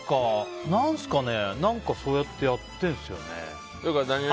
何すかね、何かそうやってやってるんですよね。